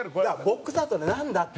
ボックスアウトってなんだって。